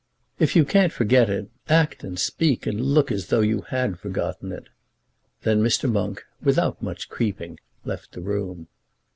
If you can't forget it, act and speak and look as though you had forgotten it." Then Mr. Monk, without much creeping, left the room.